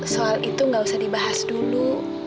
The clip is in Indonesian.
soal itu gak usah dibahas dulu